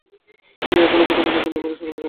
কিন্তু এখনও কুটুম্ব-কুটুম্বিনীরা সকলে যান নাই।